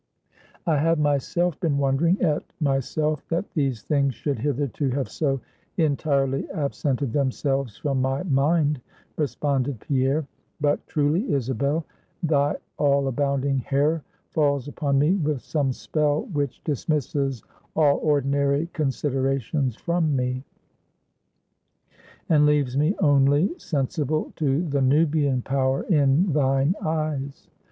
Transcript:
"I have myself been wondering at myself that these things should hitherto have so entirely absented themselves from my mind," responded Pierre; "but truly, Isabel, thy all abounding hair falls upon me with some spell which dismisses all ordinary considerations from me, and leaves me only sensible to the Nubian power in thine eyes.